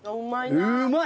うまい。